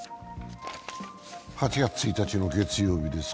８月１日の月曜日です。